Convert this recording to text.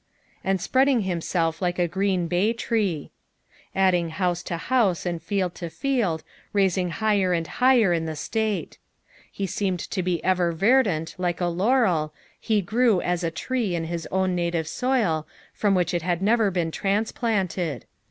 " And spreading himulf Wet a green hay tree." Adding booae to bouse and field to field, rising higher and higher in the 198 BXPOsmoKS or the psalus. ataie. He aeemed to be erer Terdant like a laurel, he grew as a tree in its own native soil, from wbich it had never been traaspUnted.